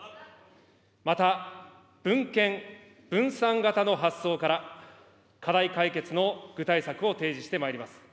また、分権、分散型の発想から、課題解決の具体策を提示してまいります。